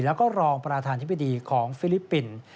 แล้วก็รองประธานธิบดีของฟิลิปปินส์